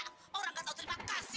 orang enggak tahu terima kasih